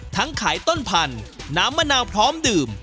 ทั้งขายต้นพันน้ำมะนาวพร้อมดื่ม